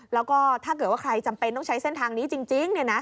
แล้วก็ถ้าเกิดว่าใครจำเป็นต้องใช้เส้นทางนี้จริง